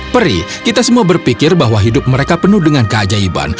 peri kita semua berpikir bahwa hidup mereka penuh dengan keajaiban